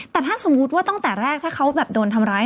แต่ถ้าสมมุติว่าตั้งแต่แรกถ้าเขาแบบโดนทำร้าย